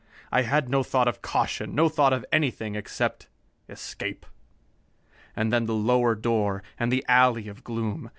I had no thought of caution, no thought of anything except escape. And then the lower door, and the alley of gloom.